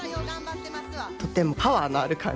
とてもパワーのある感じ。